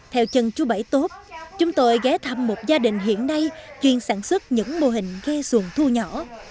theo chân chú bảy tốt chúng tôi ghé thăm một gia đình hiện nay chuyên sản xuất những mô hình ghe xuồng thu nhỏ